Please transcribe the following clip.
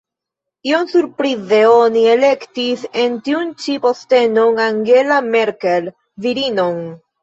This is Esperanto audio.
Iom surprize oni elektis en tiun ĉi postenon Angela Merkel, virinon.